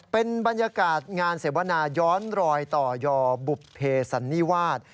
เป็นบรรยากาศงานเสวนาย้อนรอยต่อยอบุภเพสันนิวาส